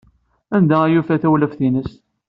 Anda ay yufa tawlaft-nnes?